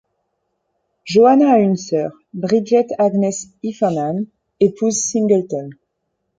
Joanna a une sœur, Bridget Agnes Hiffernan épouse Singleton.